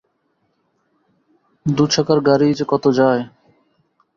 দু-চাকার গাড়িই যে কত যায়!